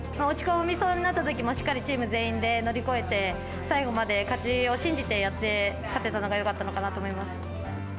落ち込みそうになったときもしっかり、チーム全員で乗り越えて、最後まで勝ちを信じてやってこれたのが、よかったのかなと思います。